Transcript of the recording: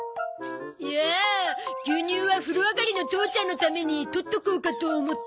いやあ牛乳は風呂上がりの父ちゃんのために取っとこうかと思って。